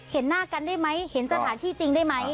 เห็นหน้ากันได้ไหมเห็นสถานที่จริงได้ไหม